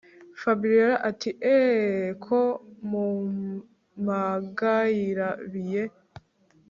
Fabiora atieeeehhhh ko mumpamagayr biye